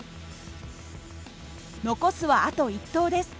残すはあと１投です。